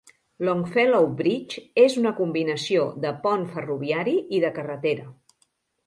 Longfellow Bridge és una combinació de pont ferroviari i de carretera.